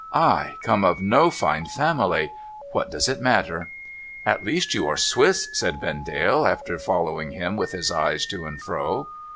/ come of no fine family. What does it matter ?'' At least you are Swiss,' said Vendale, after following him with his eyes to and fro.